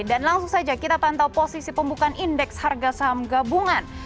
dan langsung saja kita pantau posisi pembukaan indeks harga saham gabungan